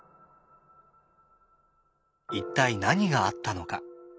一体何があったのか？